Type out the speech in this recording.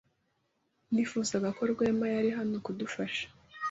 Nifuzaga ko Rwema yari hano kudufasha.